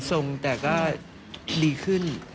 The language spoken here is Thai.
ทรงได้ก็ดีขึ้น